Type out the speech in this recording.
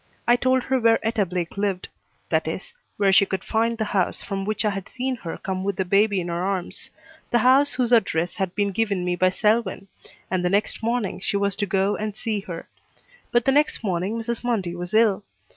I told her where Etta Blake lived, that is, where she could find the house from which I had seen her come with the baby in her arms, the house whose address had been given me by Selwyn, and the next morning she was to go and see her; but the next morning Mrs. Mundy was ill.